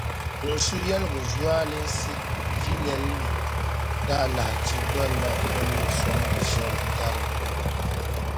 ŋun sɔŋ yɛligi zualinsi ʒilɛli ni daalahichi dolila o ni sɔŋsi shɛm tariga.